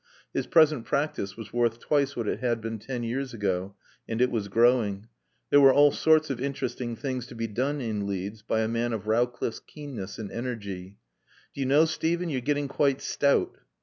His present practice was worth twice what it had been ten years ago and it was growing. There were all sorts of interesting things to be done in Leeds by a man of Rowcliffe's keenness and energy. "Do you know, Steven, you're getting quite stout?"